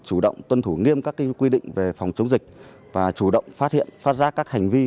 chủ động tuân thủ nghiêm các quy định về phòng chống dịch và chủ động phát hiện phát giác các hành vi